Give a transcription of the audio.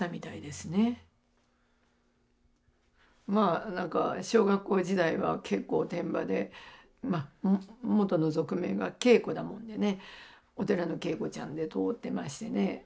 まあ何か小学校時代は結構おてんばで元の俗名が圭子だもんでお寺の圭子ちゃんで通ってましてね。